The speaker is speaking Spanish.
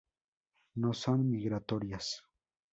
No son migratorias.